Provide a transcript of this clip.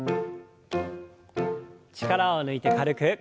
力を抜いて軽く。